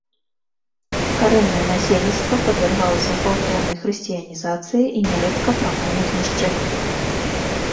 Карэннае насельніцтва падвяргалася гвалтоўнай хрысціянізацыі і нярэдка прамому знішчэнню.